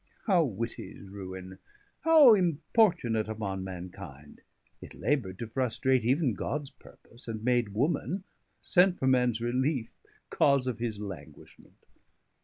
How witty's ruine! how importunate Upon mankinde! it labour'd to frustrate 100 Even Gods purpose; and made woman, sent For mans reliefe, cause of his languishment.